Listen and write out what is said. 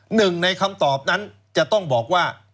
หนึ่งในคำตอบนั้นจะต้องบอกว่า